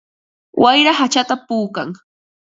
Wayra hachata puukan.